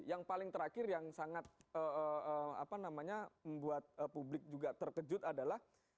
yang paling terakhir yang sangat membuat publik juga terkejut adalah